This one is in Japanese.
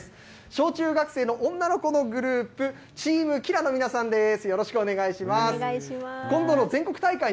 小中学生の女の子のグループ、チームきらのみなさんです。